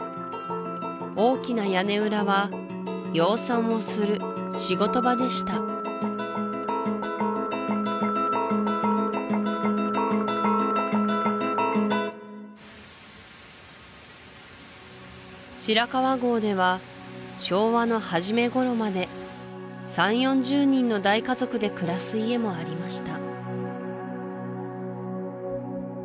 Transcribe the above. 大きな屋根裏は養蚕をする仕事場でした白川郷では昭和の初め頃まで３０４０人の大家族で暮らす家もありました